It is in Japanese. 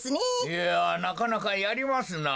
いやなかなかやりますな。